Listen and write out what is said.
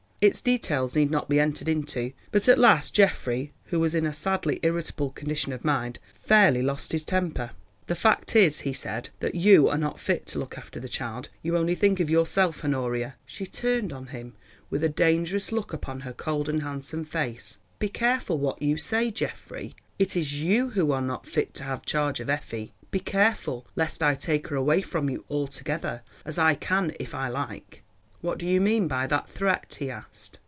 Its details need not be entered into, but at last Geoffrey, who was in a sadly irritable condition of mind, fairly lost his temper. "The fact is," he said, "that you are not fit to look after the child. You only think of yourself, Honoria." She turned on him with a dangerous look upon her cold and handsome face. "Be careful what you say, Geoffrey. It is you who are not fit to have charge of Effie. Be careful lest I take her away from you altogether, as I can if I like." "What do you mean by that threat?" he asked.